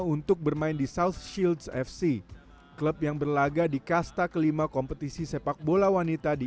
untuk bermain di south shields fc klub yang berlaga di kasta kelima kompetisi sepak bola wanita di